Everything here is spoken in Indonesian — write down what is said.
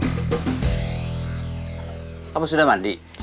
korban orang ketiga nicht kontrol kan weer ditangani